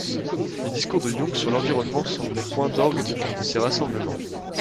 Les discours de Young sur l'environnement sont des points d'orgues de ces rassemblement.